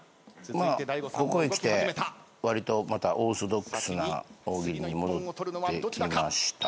まあここへきてわりとまたオーソドックスな大喜利に戻ってきました。